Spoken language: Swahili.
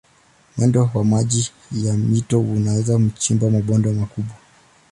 Mwendo wa maji ya mito unaweza kuchimba mabonde makubwa.